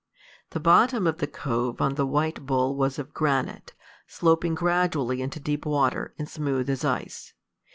The bottom of the cove on the White Bull was of granite, sloping gradually into deep water, and smooth as ice.